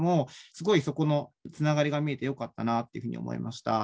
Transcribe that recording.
すごいそこのつながりが見えてよかったなというふうに思いました。